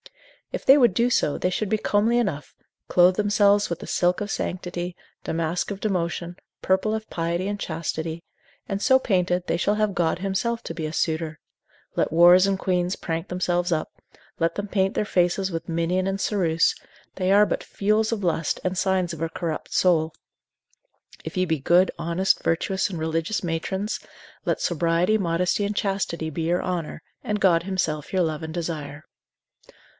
If they would do so, they should be comely enough, clothe themselves with the silk of sanctity, damask of devotion, purple of piety and chastity, and so painted, they shall have God himself to be a suitor: let whores and queans prank up themselves, let them paint their faces with minion and ceruse, they are but fuels of lust, and signs of a corrupt soul: if ye be good, honest, virtuous, and religious matrons, let sobriety, modesty and chastity be your honour, and God himself your love and desire.